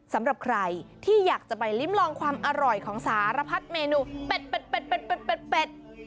สำหรับใครที่อยากจะไปลิ้มลองความอร่อยของสารพัดเมนูเป็ด